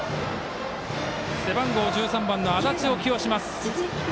背番号１３番の安達を起用します。